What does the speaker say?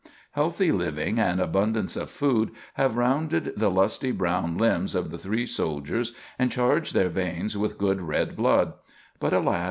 ] Healthy living and abundance of food have rounded the lusty brown limbs of the three soldiers and charged their veins with good red blood; but alas!